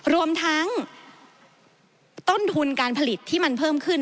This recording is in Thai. รวมทั้งต้นทุนการผลิตที่มันเพิ่มขึ้น